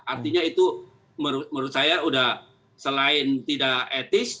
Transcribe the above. artinya itu menurut saya sudah selain tidak etis